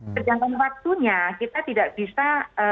sedangkan waktunya kita tidak bisa